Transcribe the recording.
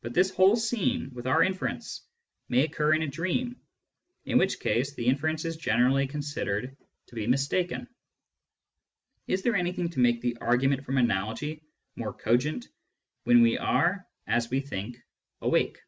But this whole scene, with our inference, may occur in a dream, in which case the inference is generally considered to be mistaken. Is there anything to make the argument from analogy more cogent when we are (as we think) awake